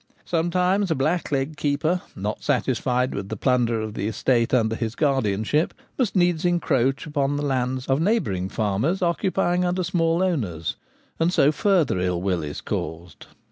Sometimes a blackleg keeper, not satisfied with the plunder of the estate under his guardianship must needs encroach on the lands of neighbouring farmers occupying under small owners; and so further ill will is caused.